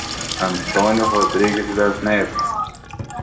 Antônio Rodrigues Das Neves